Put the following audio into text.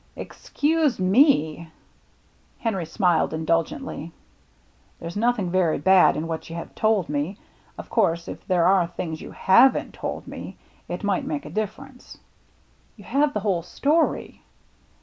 " Excuse me I " Henry smiled indulgently. " There's noth ing very bad in what you have told me. Of course, if there are things you haven* t told me, it might make a difference." " You have the whole story."